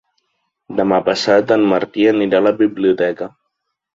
Demà passat en Martí anirà a la biblioteca.